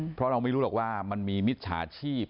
เพราะเราไม่รู้หรอกว่ามันมีมิจฉาชีพ